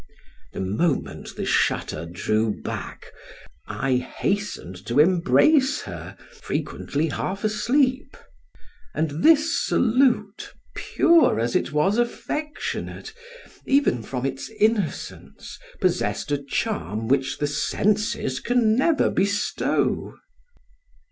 The moment the shutter drew back I hastened to embrace her, frequently half asleep; and this salute, pure as it was affectionate, even from its innocence, possessed a charm which the senses can never bestow.